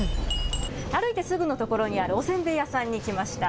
歩いてすぐの所にあるおせんべい屋さんに来ました。